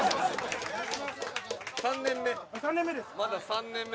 ３年目？